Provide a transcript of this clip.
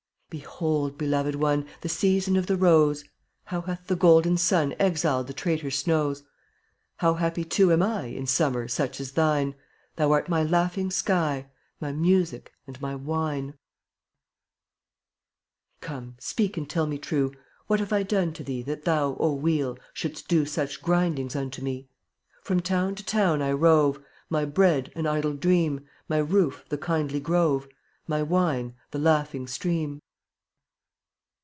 Behold, beloved one, The season of the rose! How hath the golden sun Exiled the traitor snows. How happy, too, am I In summer such as thine; Thou art my laughing sky, My music and my wine. mn$ (jTSfttftY Come, speak and tell me true. <£"Ul what haye j done tQ thee (jye$ That thou, O Wheel, shouldst do Such grindings unto me? From town to town I rove; My bread — an idle dream, My roof — the kindly grove, My wine — the laughing stream.